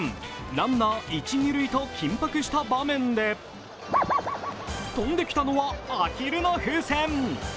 ランナー一・二塁と緊迫した場面で飛んできたのはアヒルの風船。